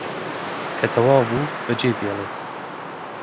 کە تەواو بوو بەجێ دێڵێت